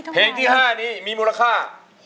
เพลงที่๕นี้มีมูลค่า